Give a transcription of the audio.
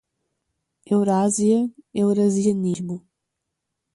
Eurásia, eurasianismo